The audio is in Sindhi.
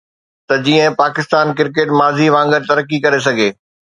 ته جيئن پاڪستان ڪرڪيٽ ماضي وانگر ترقي ڪري سگهي.